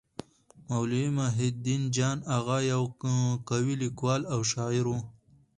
مولوي محی الدين جان اغا يو قوي لیکوال او شاعر وو.